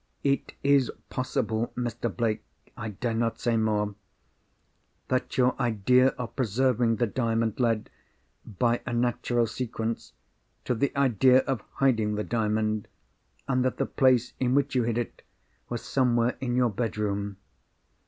"It is possible, Mr. Blake—I dare not say more—that your idea of preserving the Diamond led, by a natural sequence, to the idea of hiding the Diamond, and that the place in which you hid it was somewhere in your bedroom.